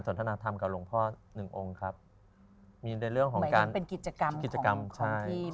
คนละทางกับชั้นเลยนะ